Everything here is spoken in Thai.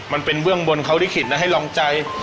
มันเป็นเวื่องบนเขาดิขิตให้ร้องใจ